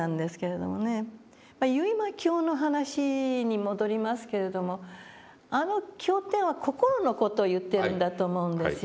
「維摩経」の話に戻りますけれどもあの経典は心の事を言っているんだと思うんですよね。